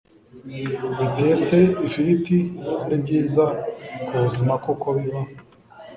bitetse ifiriti ari byiza ku buzima, kuko biba